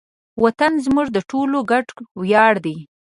وطن زموږ د ټولو ګډ ویاړ دی.